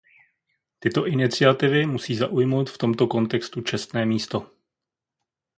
Tyto iniciativy musí zaujmout v tomto kontextu čestné místo.